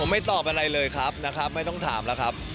ไม่ตอบอะไรเลยครับนะครับไม่ต้องถามแล้วครับ